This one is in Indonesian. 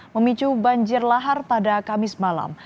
memicu banjir lahar pada kamis malam